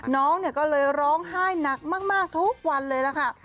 น้องก็เลยร้องไห้หนักมากทุกวันเลยล่ะค่ะ